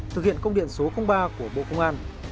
thực hiện công điện số ba của bộ công an